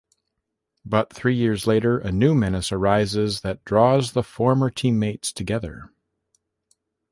But three years later, a new menace arises that draws the former teammates together.